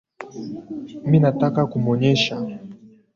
Ninataka kumwonyesha.